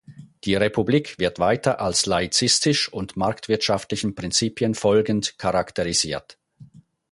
Die Republik wird weiter als laizistisch und marktwirtschaftlichen Prinzipien folgend charakterisiert.